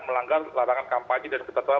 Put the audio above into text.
melanggar larangan kampanye dan ketentuan